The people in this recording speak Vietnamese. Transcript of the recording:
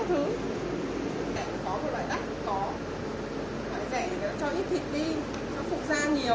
rẻ thì cho ít thịt đi cho phụ da nhiều